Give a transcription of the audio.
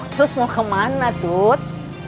terus mau kemana tut